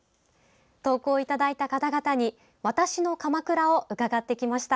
投稿いただいた方々に「＃わたしの鎌倉」を伺ってきました。